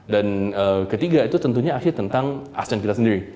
dan ketiga itu tentunya actually tentang asean kita sendiri